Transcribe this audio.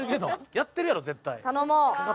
やってるやろ絶対。